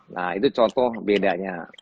nah itu contoh bedanya